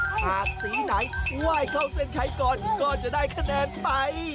หากสีไหนไหว้เข้าเส้นชัยก่อนก็จะได้คะแนนไป